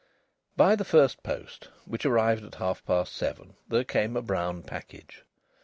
By the first post, which arrived at half past seven, there came a brown package.